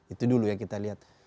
itu dulu yang kita lihat